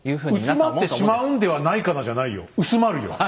「薄まってしまうんではないかな」じゃないよ。薄まるよ。